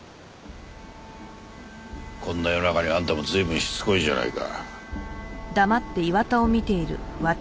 こんな夜中にあんたも随分しつこいじゃないか。